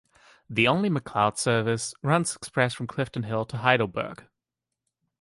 The only Macleod service runs express from Clifton Hill to Heidelberg.